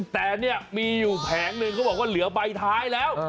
แต่เนี่ยมีอยู่แผงหนึ่งเขาบอกว่าเหลือใบท้ายแล้ว